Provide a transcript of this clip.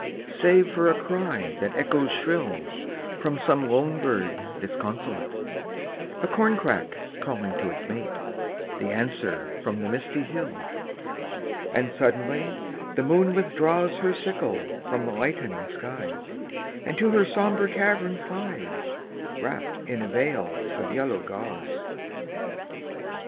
Save for a cry that echoes shrill From some lone bird disconsolate; A corncrake calling to its mate; The answer from the misty hill. And suddenly the moon withdraws Her sickle from the lightening skies, And to her sombre cavern flies, Wrapped in a veil of yellow gauze.